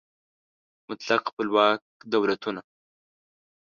مطلق خپلواک دولتونه